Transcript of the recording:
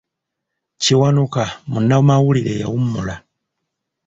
Kiwanuka munnamawulire eyawummula.